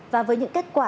và với những kết quả